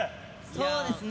そうですね。